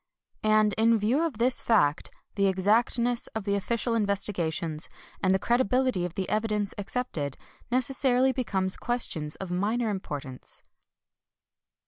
And in view of this fact, the exactness of the official investigations, and the credibility of the evidence accepted, neces sarily become questions of minor importance.